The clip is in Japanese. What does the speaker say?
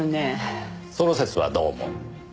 その節はどうも。